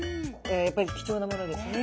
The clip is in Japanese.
やっぱり貴重なものですね。